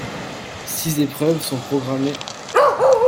Six épreuves sont programmées.